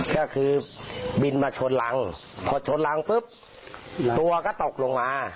ก็คือบินมาชนรังพอชนรังปุ๊บตัวก็ตกลงมา